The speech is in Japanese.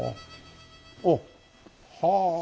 おっ！はあ。